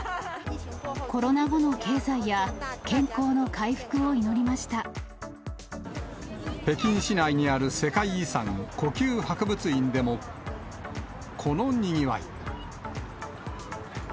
コロナ後の経済や、北京市内にある世界遺産、故宮博物院でもこのにぎわい。